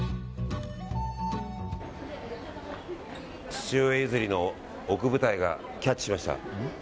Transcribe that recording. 父親譲りの奥二重がキャッチしました。